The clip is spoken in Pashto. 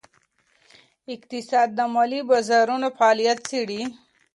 اقتصاد د مالي بازارونو فعالیت څیړي.